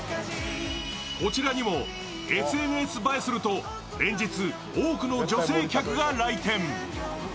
こちらにもＳＮＳ映えすると、連日、多くの女性客が来店。